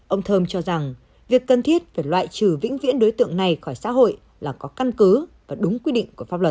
ông thơm cho rằng việc cần thiết phải loại trừ vĩnh viễn đối tượng này khỏi xã hội là có căn cứ và đúng quy định của pháp luật